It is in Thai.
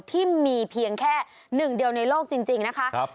ที่มีเพียงแค่หนึ่งเดียวในโลกจริงนะคะ